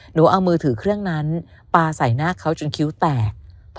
หนูเอามือถือเครื่องนั้นปลาใส่หน้าเขาจนคิ้วแตก